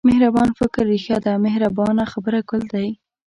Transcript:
مهربان فکر رېښه ده مهربانه خبره ګل دی.